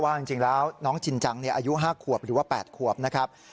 จริงแล้วน้องจินจังอายุ๕ขวบหรือว่า๘ขวบนะครับ